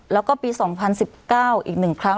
แล้วก็ปี๒๐๑๙อีก๑ครั้ง